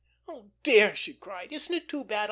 "Oh, dear," she cried. "Isn't it too bad.